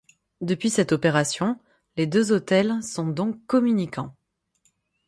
Depuis cette opération, les deux hôtels sont donc communicants.